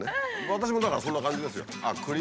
私もだからそんな感じですよ。